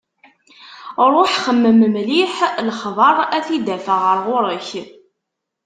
Ruḥ! Xemmem mliḥ, lexbar ad t-id-afeɣ ɣer ɣur-k.